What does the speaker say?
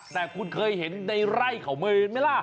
แต่คุณเคยเห็นในไร่เขาไหมล่ะ